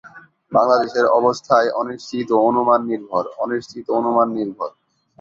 বাংলাদেশের অবস্থায় অনিশ্চিত ও অনুমান নির্ভর, অনিশ্চিত ও অনুমান নির্ভর।